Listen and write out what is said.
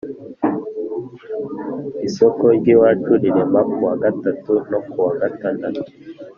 Isoko ry’iwacu rirema ku wa Gatatu no ku wa Gatandatu.